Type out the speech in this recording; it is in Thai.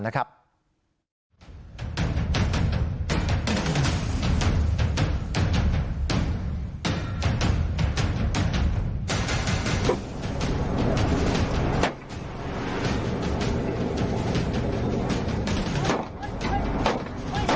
นี่เป็นนาทีหญิงประทะระหว่างตำรวจขึ้นแล้วมันกำลังกลายเปลี่ยน